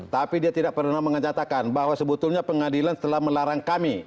tapi dia tidak pernah mengatakan bahwa sebetulnya pengadilan telah melarang kami